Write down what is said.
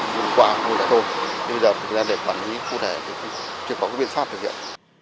dùng quả không là thôi đi vào thực ra để quản lý cụ thể chứ không có cái biện pháp được hiệu